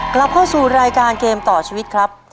กลับเข้าสู่รายการเกมต่อชีวิตครับ